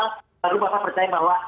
lalu bapak percaya bahwa